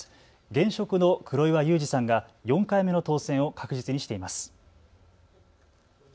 現職の黒岩祐治さんが４回目の当選を確実にしています。